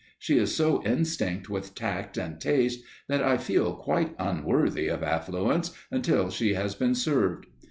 She is so instinct with tact and taste that I feel quite unworthy of affluence until she has been served.